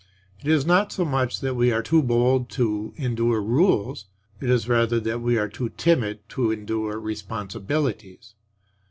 It is not so much that we are too bold to endure rules; it is rather that we are too timid to endure responsibilities.